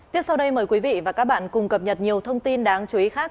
tiếp sau đây mời quý vị và các bạn cùng cập nhật nhiều thông tin đáng chú ý khác